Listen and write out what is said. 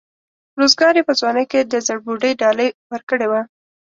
روزګار یې په ځوانۍ کې د زړبودۍ ډالۍ ورکړې وه.